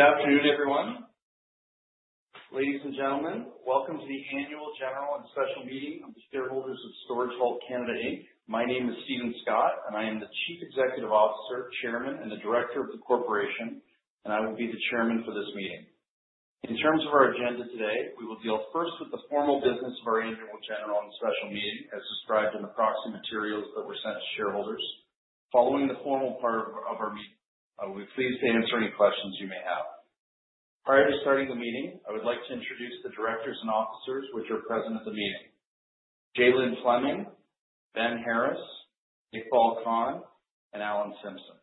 Good afternoon, everyone. Ladies and gentlemen, welcome to the annual general and special meeting of the shareholders of StorageVault Canada Inc My name is Steven Scott, and I am the Chief Executive Officer, Chairman, and the Director of the corporation, and I will be the chairman for this meeting. In terms of our agenda today, we will deal first with the formal business of our annual general and special meeting, as described in the proxy materials that were sent to shareholders. Following the formal part of our meeting, I will be pleased to answer any questions you may have. Prior to starting the meeting, I would like to introduce the directors and officers which are present at the meeting. Jay-Lynne Fleming, Ben Harris, Iqbal Khan, and Alan Simpson.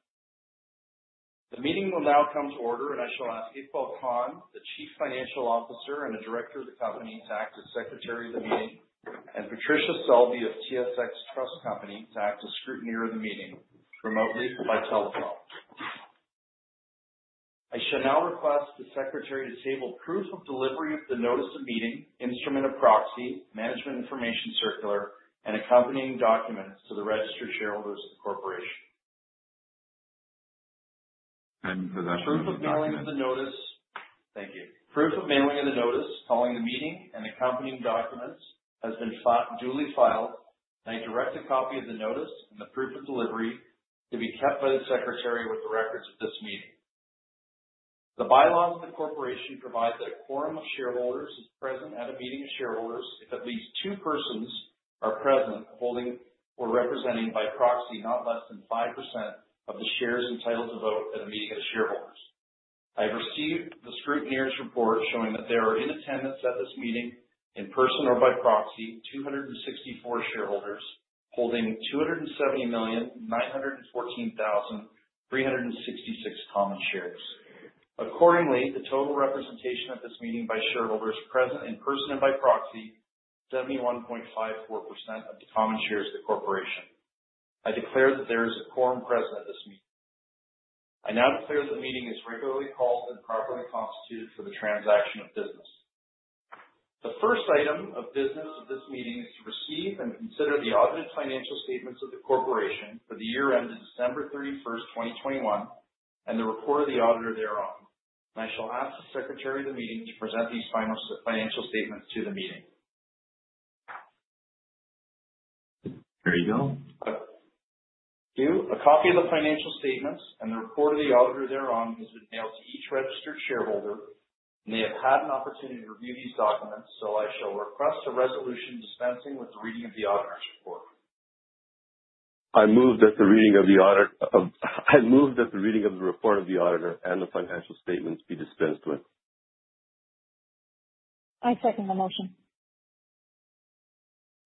The meeting will now come to order, and I shall ask Iqbal Khan, the Chief Financial Officer and a director of the company, to act as Secretary of the meeting, and Patricia Selby of TSX Trust Company to act as scrutineer of the meeting remotely by telephone. I shall now request the Secretary to table proof of delivery of the notice of meeting, instrument of proxy, management information circular, and accompanying documents to the registered shareholders of the corporation. Possession of the documents. Proof of mailing of the notice. Thank you. Proof of mailing of the notice calling the meeting and accompanying documents has been duly filed, and I direct a copy of the notice and the proof of delivery to be kept by the Secretary with the records of this meeting. The bylaws of the corporation provide that a quorum of shareholders is present at a meeting of shareholders if at least two persons are present, holding or representing by proxy, not less than 5% of the shares entitled to vote at a meeting of shareholders. I have received the scrutineer's report showing that there are in attendance at this meeting, in person or by proxy, 264 shareholders holding 270,914,366 common shares. Accordingly, the total representation at this meeting by shareholders present in person and by proxy, 71.54% of the common shares of the corporation. I declare that there is a quorum present at this meeting. I now declare that the meeting is regularly called and properly constituted for the transaction of business. The first item of business of this meeting is to receive and consider the audited financial statements of the corporation for the year ended December 31st, 2021, and the report of the auditor thereon. I shall ask the Secretary of the meeting to present these financial statements to the meeting. Here you go. Thank you. A copy of the financial statements and the report of the auditor thereon has been mailed to each registered shareholder, and they have had an opportunity to review these documents, so I shall request a resolution dispensing with the reading of the auditor's report. I move that the reading of the report of the auditor and the financial statements be dispensed with. I second the motion.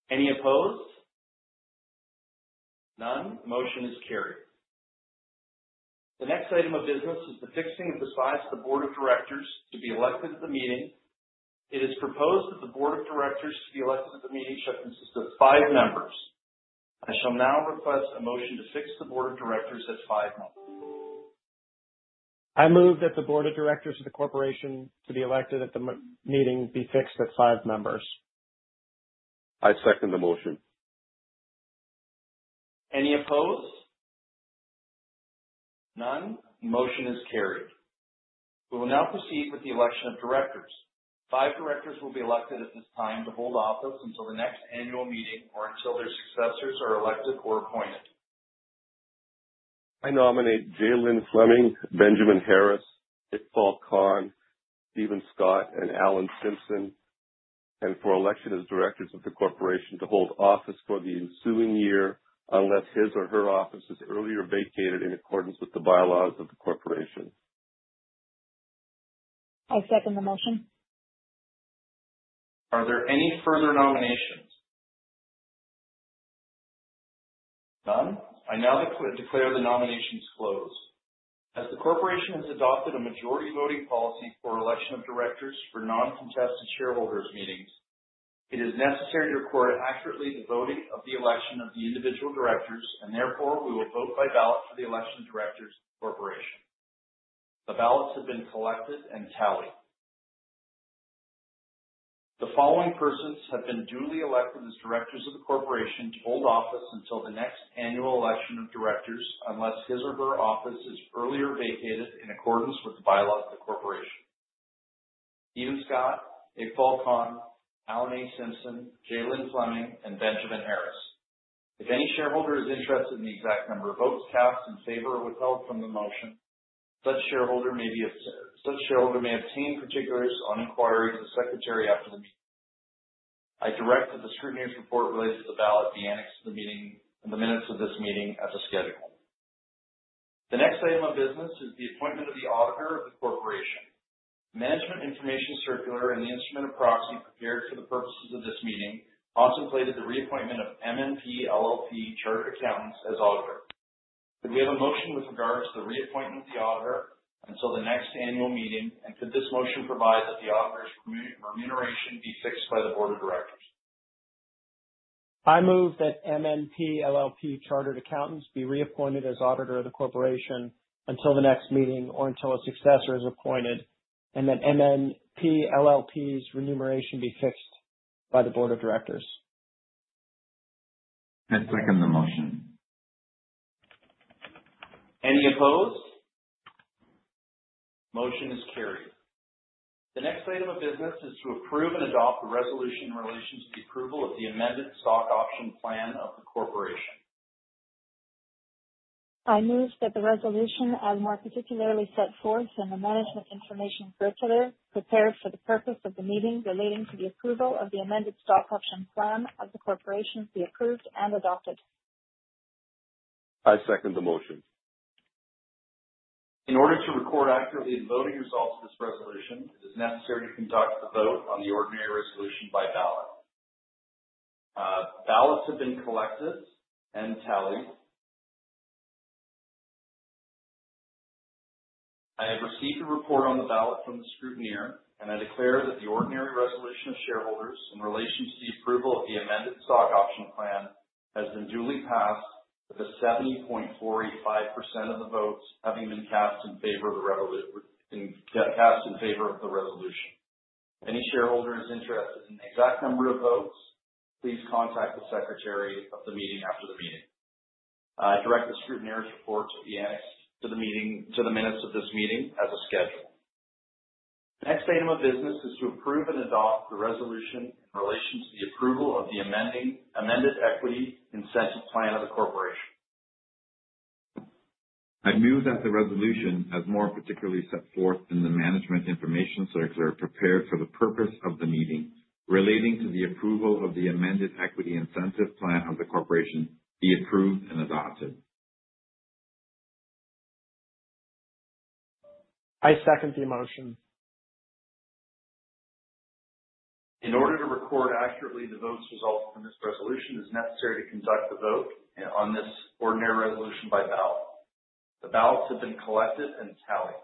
Any opposed? None. Motion is carried. The next item of business is the fixing of the size of the board of directors to be elected at the meeting. It is proposed that the board of directors to be elected at the meeting shall consist of five members. I shall now request a motion to fix the board of directors at five members. I move that the board of directors of the corporation to be elected at the meeting be fixed at five members. I second the motion. Any opposed? None. Motion is carried. We will now proceed with the election of directors. Five directors will be elected at this time to hold office until the next annual meeting or until their successors are elected or appointed. I nominate Jay-Lynne Fleming, Benjamin Harris, Iqbal Khan, Steven Scott, and Alan Simpson, and for election as directors of the corporation to hold office for the ensuing year unless his or her office is earlier vacated in accordance with the bylaws of the corporation. I second the motion. Are there any further nominations? None. I now declare the nominations closed. As the corporation has adopted a majority voting policy for election of directors for non-contested shareholders' meetings, it is necessary to record accurately the voting of the election of the individual directors, and therefore, we will vote by ballot for the election of directors of the corporation. The ballots have been collected and tallied. The following persons have been duly elected as directors of the corporation to hold office until the next annual election of directors, unless his or her office is earlier vacated in accordance with the bylaws of the corporation. Steven Scott, Iqbal Khan, Alan A. Simpson, Jay-Lynne Fleming, and Benjamin Harris. If any shareholder is interested in the exact number of votes cast in favor or withheld from the motion, such shareholder may obtain particulars on inquiry to the Secretary after the meeting. I direct that the scrutineer's report related to the ballot be annexed in the minutes of this meeting as a schedule. The next item of business is the appointment of the auditor of the corporation. The management information circular and the instrument of proxy prepared for the purposes of this meeting contemplated the reappointment of MNP LLP Chartered Accountants as auditor. Could we have a motion with regards to the reappointment of the auditor until the next annual meeting, and could this motion provide that the auditor's remuneration be fixed by the board of directors? I move that MNP LLP Chartered Accountants be reappointed as auditor of the corporation until the next meeting or until a successor is appointed, and that MNP LLP's remuneration be fixed by the board of directors. I second the motion. Any opposed? Motion is carried. The next item of business is to approve and adopt the resolution in relation to the approval of the amended stock option plan of the corporation. I move that the resolution, as more particularly set forth in the management information circular prepared for the purpose of the meeting relating to the approval of the amended stock option plan of the corporation, be approved and adopted. I second the motion. In order to record accurately the voting results of this resolution, it is necessary to conduct the vote on the ordinary resolution by ballot. Ballots have been collected and tallied. I have received a report on the ballot from the scrutineer, and I declare that the ordinary resolution of shareholders in relation to the approval of the amended stock option plan has been duly passed, with 70.485% of the votes having been cast in favor of the resolution. If any shareholder is interested in the exact number of votes, please contact the Secretary of the meeting after the meeting. I direct the scrutineer's report to the minutes of this meeting as a schedule. The next item of business is to approve and adopt the resolution in relation to the approval of the amended equity incentive plan of the corporation. I move that the resolution, as more particularly set forth in the management information circular prepared for the purpose of the meeting, relating to the approval of the amended equity incentive plan of the corporation, be approved and adopted. I second the motion. In order to record accurately the vote results from this resolution, it is necessary to conduct the vote on this ordinary resolution by ballot. The ballots have been collected and tallied.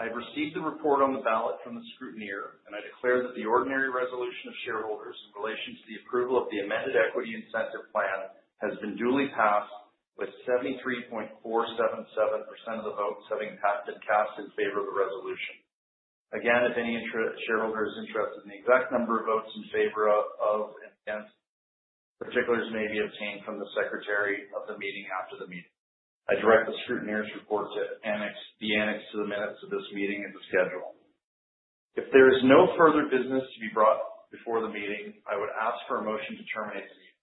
I have received the report on the ballot from the scrutineer, and I declare that the ordinary resolution of shareholders in relation to the approval of the amended Equity Incentive Plan has been duly passed, with 73.477% of the votes having been cast in favor of the resolution. Again, if any shareholder is interested in the exact number of votes in favor of and against, particulars may be obtained from the Secretary of the meeting after the meeting. I direct the scrutineer's report to be annexed to the minutes of this meeting. If there is no further business to be brought before the meeting, I would ask for a motion to terminate the meeting.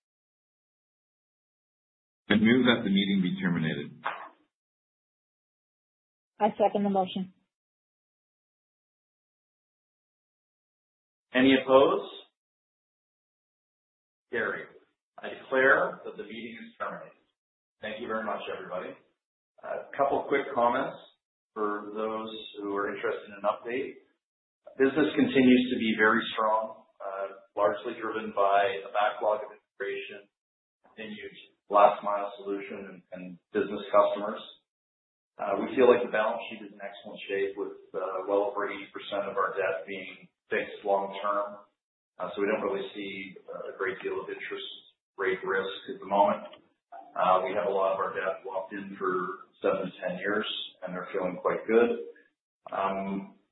I move that the meeting be terminated. I second the motion. Any opposed? Carried. I declare that the meeting is terminated. Thank you very much, everybody. A couple quick comments for those who are interested in an update. Business continues to be very strong, largely driven by the backlog of immigration, continued last mile solution and business customers. We feel like the balance sheet is in excellent shape with well over 80% of our debt being fixed long term. So we don't really see a great deal of interest rate risk at the moment. We have a lot of our debt locked in for seven-10 years, and they're feeling quite good.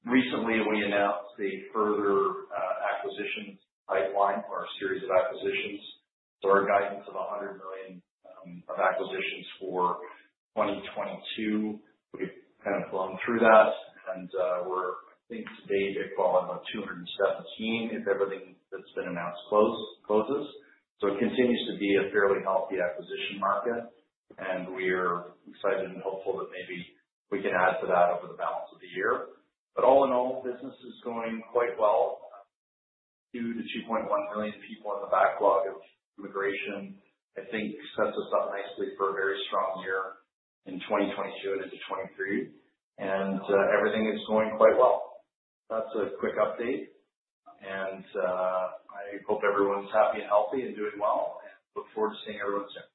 Recently we announced a further acquisition pipeline or a series of acquisitions. Our guidance of 100 million of acquisitions for 2022, we've kind of flown through that. We're, I think today they call it about 217 if everything that's been announced closes. It continues to be a fairly healthy acquisition market, and we're excited and hopeful that maybe we can add to that over the balance of the year. All in all, business is going quite well. Due to 2.1 million people in the backlog of immigration, I think sets us up nicely for a very strong year in 2022 and into 2023. Everything is going quite well. That's a quick update. I hope everyone's happy and healthy and doing well, and I look forward to seeing everyone soon.